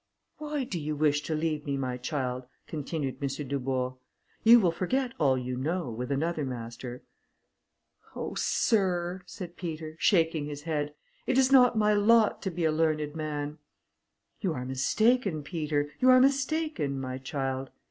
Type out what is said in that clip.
"Why do you wish to leave me, my child?" continued M. Dubourg; "you will forget all you know, with another master." "Oh! Sir," said Peter, shaking his head, "it is not my lot to be a learned man." "You are mistaken, Peter; you are mistaken, my child.